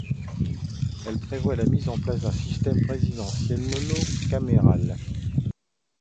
Elle prévoit la mise en place d'un système présidentiel monocaméral.